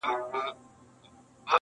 • فرعونان مي ډوبوله -